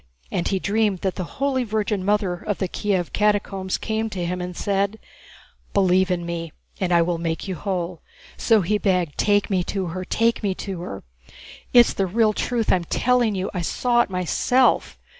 And he dreamed that the Holy Virgin Mother of the Kiev catacombs came to him and said, 'Believe in me and I will make you whole.' So he begged: 'Take me to her, take me to her.' It's the real truth I'm telling you, I saw it myself.